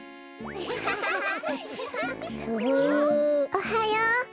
おはよう。